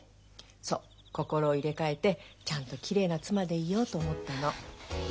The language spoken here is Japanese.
そう心を入れ替えてちゃんときれいな妻でいようと思ったの。